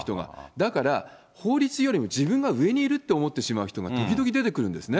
だから、法律よりも自分が上にいるって思う人が時々出てくるんですね。